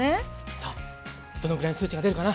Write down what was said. さあどのぐらいの数値が出るかな？